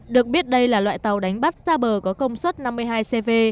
được biết đây là loại tàu đánh bắt ra bờ có công suất năm mươi hai cv